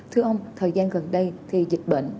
thưa ông thời gian gần đây thì dịch bệnh